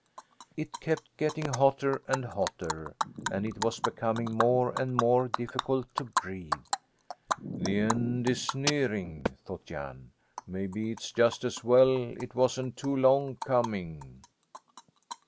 It kept getting hotter and hotter, and it was becoming more and more difficult to breathe. "The end is nearing," thought Jan. "Maybe it's just as well it wasn't too long coming."